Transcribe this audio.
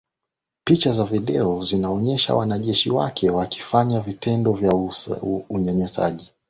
picha za video zinaonyesha wanajeshi wake wakifanya vitendo vya unyanyasaji